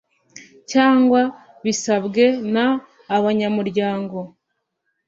cyangwa bisabwe na abanyamuryango